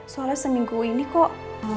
soalnya seminggu ini kok